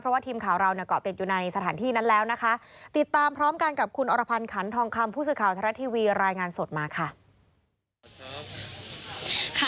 เพราะว่าทีมข่าวเราเนี่ยเกาะติดอยู่ในสถานที่นั้นแล้วนะคะติดตามพร้อมกันกับคุณอรพันธ์ขันทองคำผู้สื่อข่าวทรัฐทีวีรายงานสดมาค่ะ